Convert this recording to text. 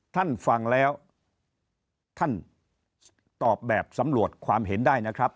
ท่านฟังแล้วท่านตอบแบบสำรวจความเห็นได้นะครับ